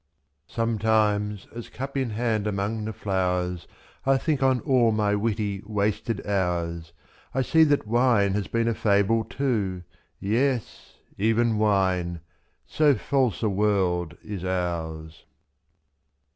62 Sometimes as, cup in hand among the flowers, I think on all my witty wasted hours, f^jl see that wine has been a fable too. Yes ! even wine — so false a world is ours.